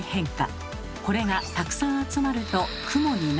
これがたくさん集まると雲になるのです。